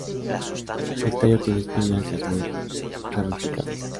El tallo tiene espinas y es muy ramificado.